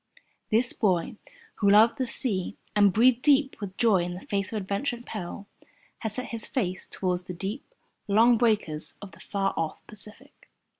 This boy, who loved the sea and breathed deep with joy in the face of adventure and peril, had set his face towards the deep, long breakers of the far off Pacific.